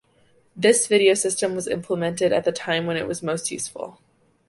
This video system was implemented at the time when it was most useful.